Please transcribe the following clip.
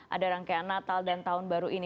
ada rangkaian natal dan tahun baru ini